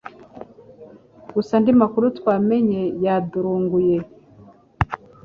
gusa andi makuru twamenye yadurunguye